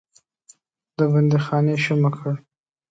د بندیخانې شومه کړ.